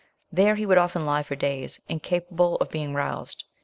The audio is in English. There he would often lie for days, incapable of being roused.